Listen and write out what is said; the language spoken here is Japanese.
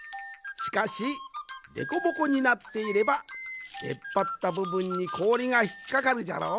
しかしでこぼこになっていればでっぱったぶぶんにこおりがひっかかるじゃろ。